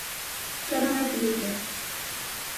Xa non é crible.